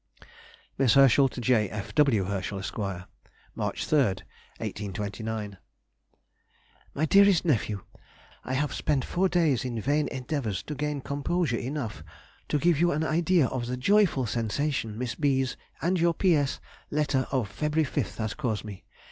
MISS HERSCHEL TO J. F. W. HERSCHEL, ESQ. March 3, 1829. MY DEAREST NEPHEW,— I have spent four days in vain endeavours to gain composure enough to give you an idea of the joyful sensation Miss B.'s (and your P.S.) letter of February 5th has caused me.